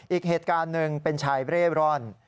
อีกเหตุการณ์หนึ่งเป็นชายเร่ร่อน